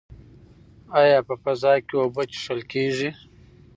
ایا په فضا کې اوبه څښل کیږي؟